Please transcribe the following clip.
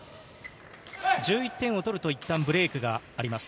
１１点を取ると、いったんブレイクがあります。